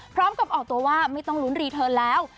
พร้อมกับออกตัวว่าไม่ต้องลุ้นรีเทิร์นแล้ว